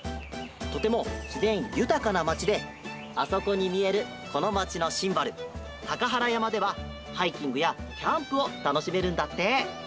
とてもしぜんゆたかなまちであそこにみえるこのまちのシンボルたかはらやまではハイキングやキャンプをたのしめるんだって。